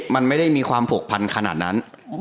มันไม่ได้มีความผูกพันขนาดนั้น